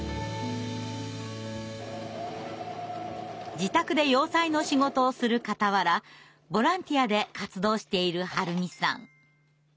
自宅で洋裁の仕事をするかたわらボランティアで活動している春美さん。